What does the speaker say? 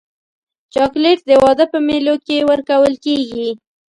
چاکلېټ د واده په مېلو کې ورکول کېږي.